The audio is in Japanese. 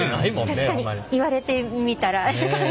確かに言われてみたら時間が。